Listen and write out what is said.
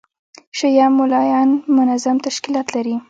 شیعه مُلایان منظم تشکیلات لري.